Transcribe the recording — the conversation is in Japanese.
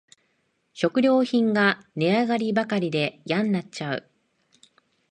食料品が値上がりばかりでやんなっちゃう